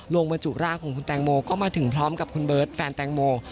บรรจุร่างของคุณแตงโมก็มาถึงพร้อมกับคุณเบิร์ตแฟนแตงโม